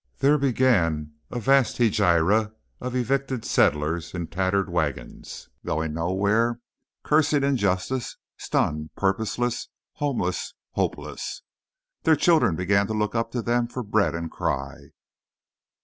There began a vast hegira of evicted settlers in tattered wagons; going nowhere, cursing injustice, stunned, purposeless, homeless, hopeless. Their children began to look up to them for bread, and cry.